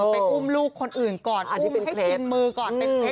ไปอุ้มลูกคนอื่นก่อนอุ้มให้ชิมมือก่อนเป็นเพชร